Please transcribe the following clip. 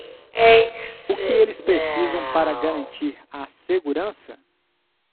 O que eles precisam para garantir a segurança?